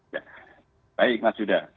ya baik mas yuda